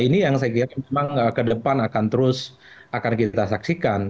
ini yang saya kira memang ke depan akan terus akan kita saksikan